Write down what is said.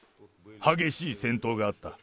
激しい戦闘があった。